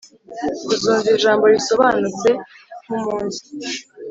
uzumva ijambo risobanutse nkumunsi